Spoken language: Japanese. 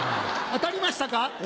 当たりましたか？